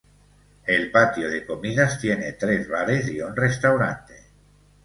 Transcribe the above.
El patio de comidas, tiene tres bares y un restaurante.